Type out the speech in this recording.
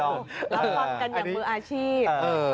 รับฟังกันอย่างมืออาชีพ